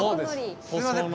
すいません